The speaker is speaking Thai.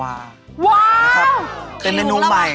ว้าวมีฮูลาวานะครับเป็นเมนูใหม่